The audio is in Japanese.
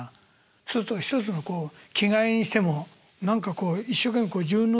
そうすると一つの着替えにしても何かこう一生懸命自分の。